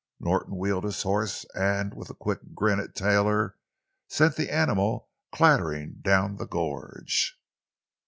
Norton wheeled his horse, and, with a quick grin at Taylor, sent the animal clattering down the gorge.